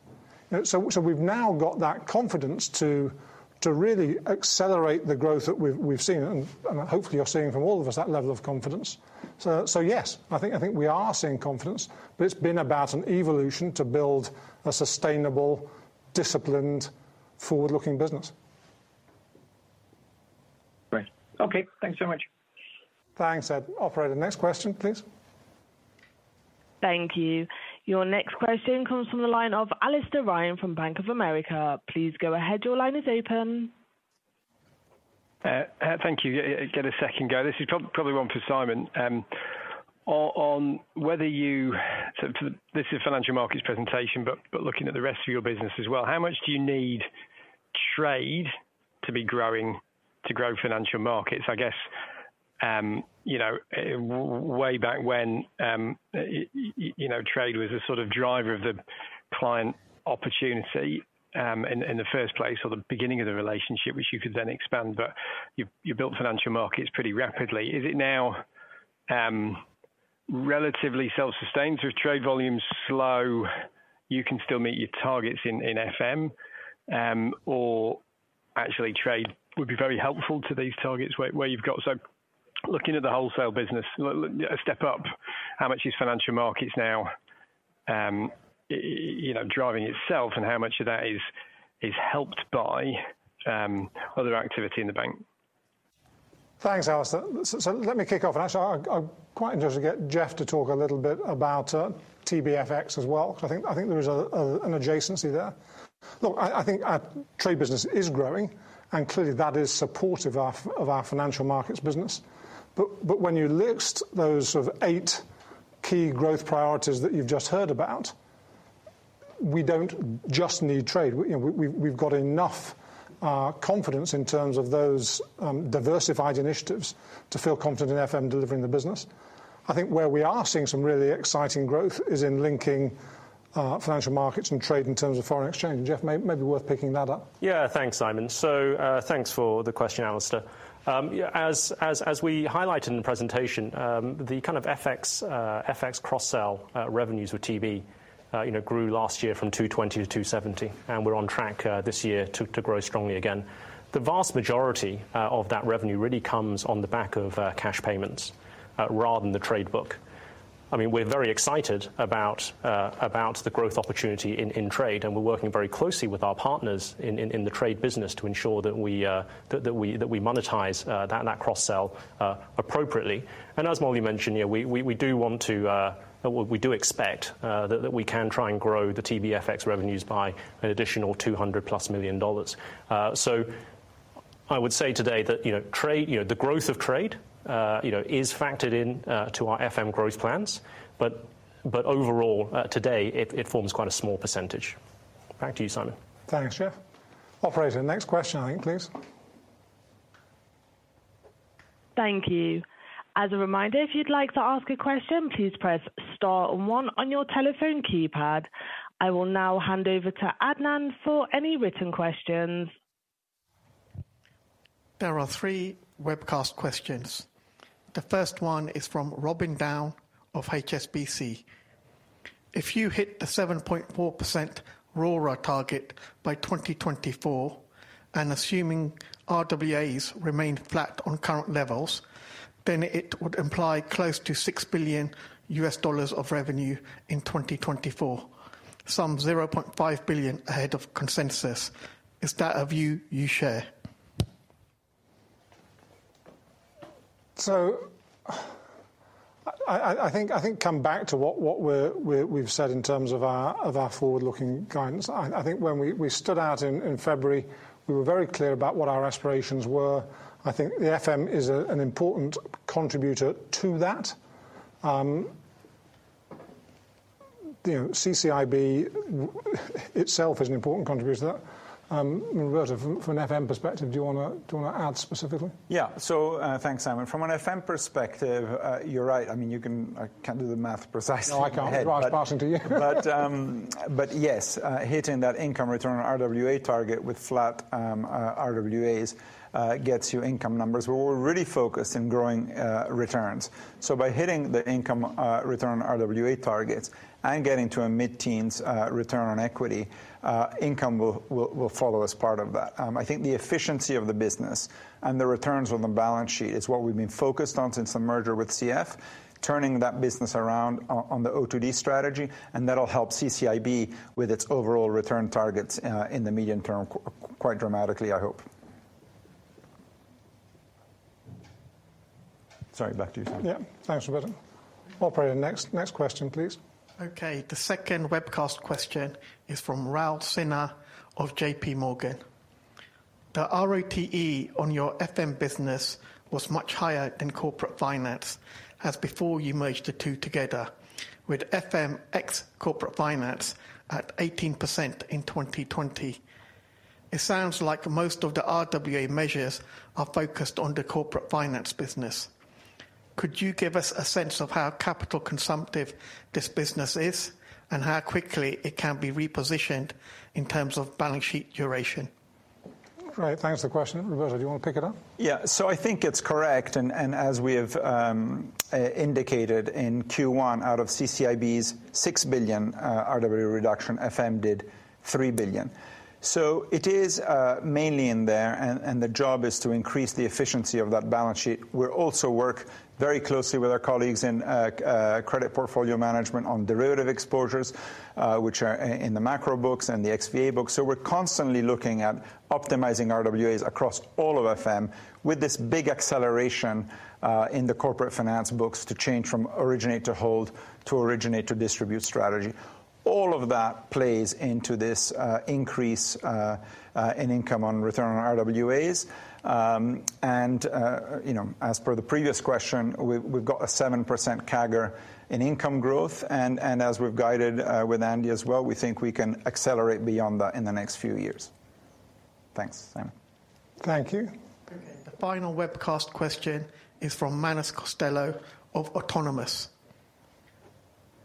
You know, so we've now got that confidence to really accelerate the growth that we've seen and hopefully you're seeing from all of us that level of confidence. Yes, I think we are seeing confidence, but it's been about an evolution to build a sustainable, disciplined, forward-looking business. Okay, thanks so much. Thanks, Ed. Operator, next question, please. Thank you. Your next question comes from the line of Alastair Ryan from Bank of America. Please go ahead. Your line is open. Thank you. Get a second go. This is probably one for Simon. This is Financial Markets presentation, but looking at the rest of your business as well. How much do you need trade to be growing to grow Financial Markets? I guess, you know, way back when, you know, trade was a sort of driver of the client opportunity, in the first place or the beginning of the relationship, which you could then expand, but you built Financial Markets pretty rapidly. Is it now relatively self-sustained through trade volumes slow, you can still meet your targets in FM, or actually trade would be very helpful to these targets where you've got. Looking at the wholesale business, how much is Financial Markets now, you know, driving itself and how much of that is helped by other activity in the bank? Thanks, Alastair. Let me kick off. Actually, I'd quite just get Geoff to talk a little bit about TBFX as well, 'cause I think there is an adjacency there. Look, I think our trade business is growing, and clearly that is supportive of our financial markets business. When you list those sort of 8 key growth priorities that you've just heard about, we don't just need trade. We, you know, we've got enough confidence in terms of those diversified initiatives to feel confident in FM delivering the business. I think where we are seeing some really exciting growth is in linking financial markets and trade in terms of foreign exchange. Geoff, maybe worth picking that up. Yeah. Thanks, Simon. Thanks for the question, Alastair. Yeah, as we highlighted in the presentation, the kind of FX cross-sell revenues with TB you know grew last year from $220 to $270, and we're on track this year to grow strongly again. The vast majority of that revenue really comes on the back of cash payments rather than the trade book. I mean, we're very excited about the growth opportunity in trade, and we're working very closely with our partners in the trade business to ensure that we monetize that cross-sell appropriately. As Mollie mentioned, you know, we do want to, well, we do expect that we can try and grow the TBFX revenues by an additional $200+ million. So I would say today that, you know, the growth of trade, you know, is factored in to our FM growth plans. But overall, today, it forms quite a small percentage. Back to you, Simon. Thanks, Geoff. Operator, next question I think, please. Thank you. As a reminder, if you'd like to ask a question, please press star one on your telephone keypad. I will now hand over to Adnan for any written questions. There are three webcast questions. The first one is from Robin Down of HSBC. If you hit the 7.4% RORA target by 2024, and assuming RWAs remain flat on current levels, then it would imply close to $6 billion of revenue in 2024, some $0.5 billion ahead of consensus. Is that a view you share? I think come back to what we've said in terms of our forward-looking guidance. I think when we set out in February, we were very clear about what our aspirations were. I think the FM is an important contributor to that. You know, CCIB itself is an important contributor to that. Roberto, from an FM perspective, do you wanna add specifically? Yeah. Thanks, Simon. From an FM perspective, you're right. I mean, I can't do the math precisely. No, I can't. That's why I was passing to you. Hitting that income return RWA target with flat RWAs gets you income numbers. We're really focused on growing returns. By hitting the income return RWA targets and getting to a mid-teens return on equity, income will follow as part of that. I think the efficiency of the business and the returns on the balance sheet is what we've been focused on since the merger with CF, turning that business around on the O2D strategy, and that'll help CCIB with its overall return targets in the medium term quite dramatically, I hope. Sorry, back to you, Simon. Yeah. Thanks, Roberto. Operator, next question, please. Okay. The second webcast question is from Raul Sinha of JP Morgan. The ROTE on your FM business was much higher than Corporate Finance, as before you merged the two together, with FM ex-Corporate Finance at 18% in 2020. It sounds like most of the RWA measures are focused on the Corporate Finance business. Could you give us a sense of how capital consumptive this business is, and how quickly it can be repositioned in terms of balance sheet duration? Right. Thanks for the question. Roberto, do you want to pick it up? Yeah. I think it's correct and as we have indicated in Q1 out of CCIB's $6 billion RWA reduction, FM did $3 billion. It is mainly in there and the job is to increase the efficiency of that balance sheet. We're also working very closely with our colleagues in Credit Portfolio Management on derivative exposures, which are in the macro books and the XVA books. We're constantly looking at optimizing RWAs across all of FM with this big acceleration in the corporate finance books to change from originate-to-hold to originate-to-distribute strategy. All of that plays into this increase in income on return on RWAs. You know, as per the previous question, we've got a 7% CAGR in income growth and as we've guided, with Andy as well, we think we can accelerate beyond that in the next few years. Thanks, Simon. Thank you. Okay. The final webcast question is from Manus Costello of Autonomous Research.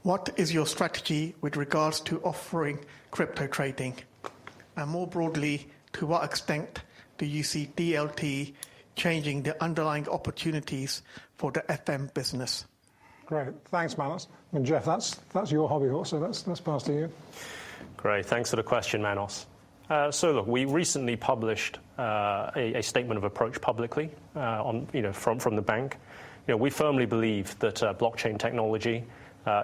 What is your strategy with regards to offering crypto trading? And more broadly, to what extent do you see DLT changing the underlying opportunities for the FM business? Great. Thanks, Manos. Geoff, that's your hobby horse, so let's pass to you. Great. Thanks for the question, Manus. Look, we recently published a statement of approach publicly on, you know, from the bank. You know, we firmly believe that blockchain technology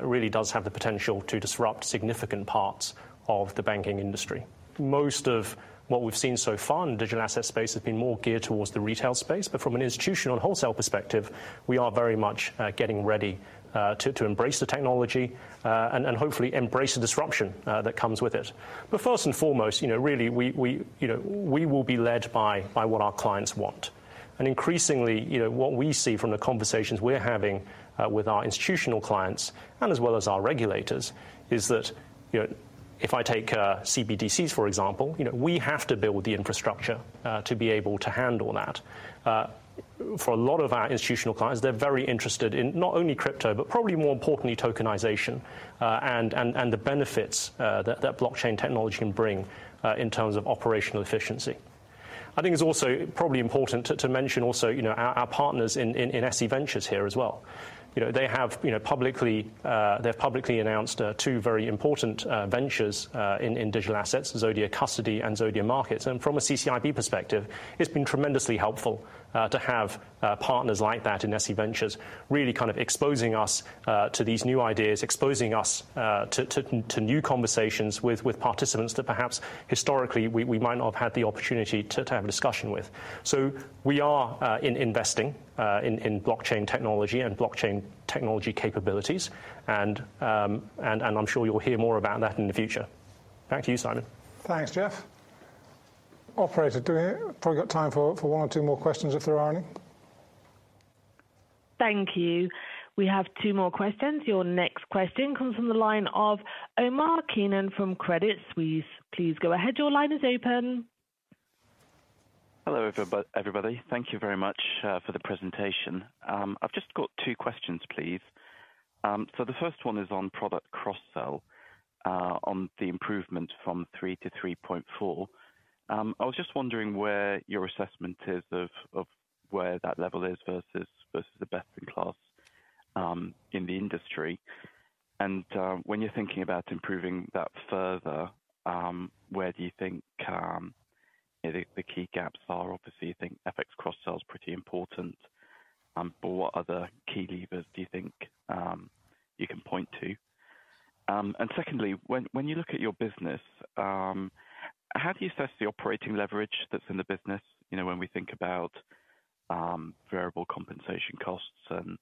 really does have the potential to disrupt significant parts of the banking industry. Most of what we've seen so far in digital asset space has been more geared towards the retail space. From an institutional wholesale perspective, we are very much getting ready to embrace the technology and hopefully embrace the disruption that comes with it. First and foremost, you know, really we will be led by what our clients want. Increasingly, you know, what we see from the conversations we're having with our institutional clients, and as well as our regulators, is that, you know, if I take CBDCs, for example, you know, we have to build the infrastructure to be able to handle that. For a lot of our institutional clients, they're very interested in not only crypto, but probably more importantly, tokenization and the benefits that blockchain technology can bring in terms of operational efficiency. I think it's also probably important to mention also, you know, our partners in SC Ventures here as well. You know, they have, you know, publicly announced 2 very important ventures in digital assets, Zodia Custody and Zodia Markets. From a CCIB perspective, it's been tremendously helpful to have partners like that in SC Ventures really kind of exposing us to these new ideas, exposing us to new conversations with participants that perhaps historically we might not have had the opportunity to have a discussion with. We are investing in blockchain technology and blockchain technology capabilities. I'm sure you'll hear more about that in the future. Back to you, Simon. Thanks, Geoff. Operator, do we probably got time for one or two more questions if there are any. Thank you. We have two more questions. Your next question comes from the line of Omar Keenan from Credit Suisse. Please go ahead. Your line is open. Hello, everybody. Thank you very much for the presentation. I've just got two questions, please. The first one is on product cross-sell, on the improvement from 3 to 3.4. I was just wondering where your assessment is of where that level is versus the best in class in the industry. When you're thinking about improving that further, where do you think you know the key gaps are? Obviously, you think FX cross-sell is pretty important, but what other key levers do you think you can point to? Secondly, when you look at your business, how do you assess the operating leverage that's in the business? You know, when we think about variable compensation costs and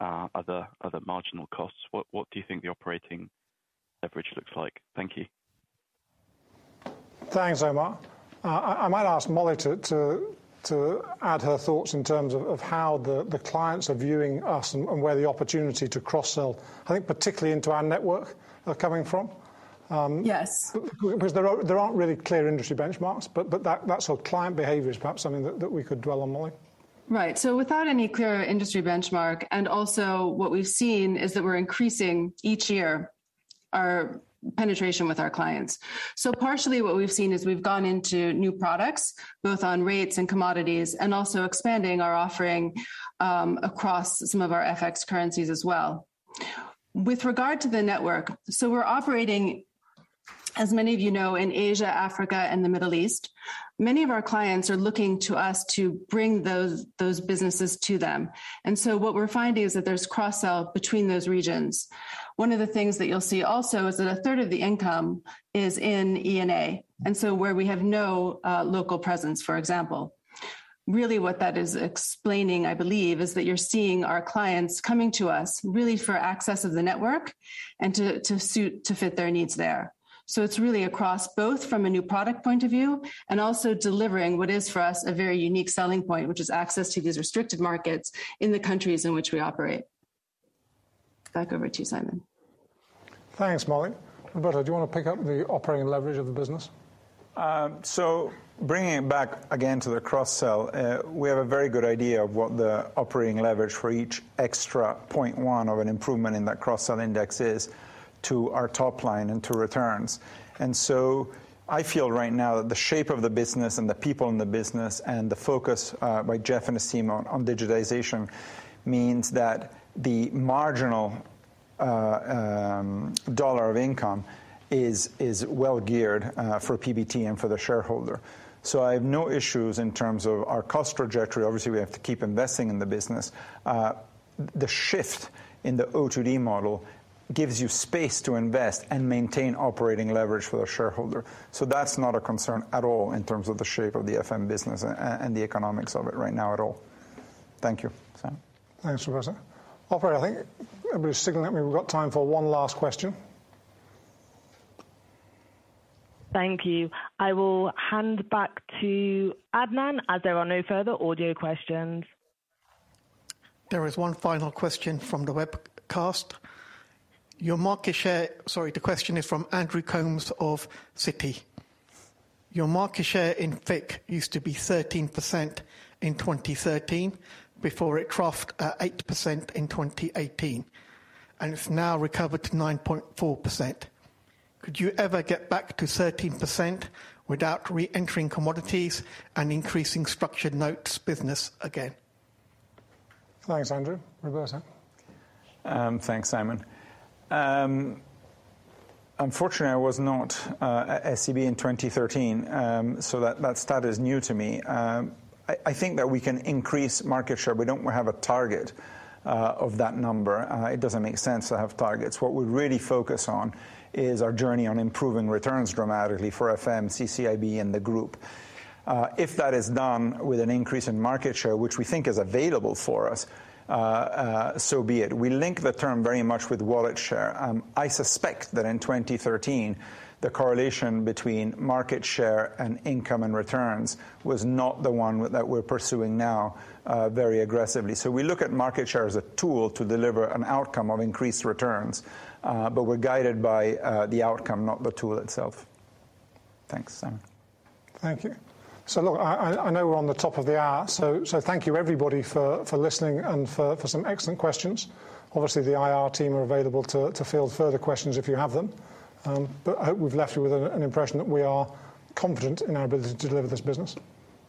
other marginal costs, what do you think the operating leverage looks like? Thank you. Thanks, Omar. I might ask Molly to add her thoughts in terms of how the clients are viewing us and where the opportunity to cross-sell, I think particularly into our network are coming from. Yes. Because there aren't really clear industry benchmarks, but that sort of client behavior is perhaps something that we could dwell on, Molly. Right. Without any clear industry benchmark, and also what we've seen is that we're increasing each year our penetration with our clients. Partially what we've seen is we've gone into new products, both on rates and commodities, and also expanding our offering across some of our FX currencies as well. With regard to the network, we're operating, as many of you know, in Asia, Africa, and the Middle East. Many of our clients are looking to us to bring those businesses to them. What we're finding is that there's cross-sell between those regions. One of the things that you'll see also is that 1/3 of the income is in E&A, and so where we have no local presence, for example. Really what that is explaining, I believe, is that you're seeing our clients coming to us really for access to the network and to suit, to fit their needs there. It's really across both from a new product point of view and also delivering what is for us a very unique selling point, which is access to these restricted markets in the countries in which we operate. Back over to you, Simon. Thanks, Molly. Roberto, do you want to pick up the operating leverage of the business? Bringing it back again to the cross-sell, we have a very good idea of what the operating leverage for each extra 0.1 of an improvement in that cross-sell index is to our top line and to returns. I feel right now that the shape of the business and the people in the business, and the focus by Jeff and his team on digitization means that the marginal dollar of income is well geared for PBT and for the shareholder. I have no issues in terms of our cost trajectory. Obviously, we have to keep investing in the business. The shift in the O2D model gives you space to invest and maintain operating leverage for the shareholder. That's not a concern at all in terms of the shape of the FM business and the economics of it right now at all. Thank you, Simon. Thanks, Roberto. Operator, I think everybody's signaling at me, we've got time for one last question. Thank you. I will hand back to Adnan as there are no further audio questions. There is one final question from the webcast. Sorry, the question is from Andrew Coombs of Citi. Your market share in FIC used to be 13% in 2013 before it dropped to 8% in 2018, and it's now recovered to 9.4%. Could you ever get back to 13% without re-entering commodities and increasing structured notes business again? Thanks, Andrew. Roberto. Thanks, Simon. Unfortunately, I was not at SCB in 2013, so that stat is new to me. I think that we can increase market share. We don't have a target of that number. It doesn't make sense to have targets. What we really focus on is our journey on improving returns dramatically for FM, CCIB and the group. If that is done with an increase in market share, which we think is available for us, so be it. We link the term very much with wallet share. I suspect that in 2013, the correlation between market share and income and returns was not the one that we're pursuing now, very aggressively. We look at market share as a tool to deliver an outcome of increased returns, but we're guided by the outcome, not the tool itself. Thanks, Simon. Thank you. Look, I know we're on the top of the hour, so thank you everybody for listening and for some excellent questions. Obviously, the IR team are available to field further questions if you have them. But I hope we've left you with an impression that we are confident in our ability to deliver this business.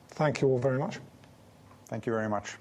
Thank you all very much. Thank you very much.